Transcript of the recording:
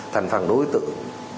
thành phần đối tượng